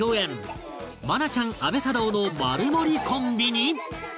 愛菜ちゃん阿部サダヲのマルモリコンビに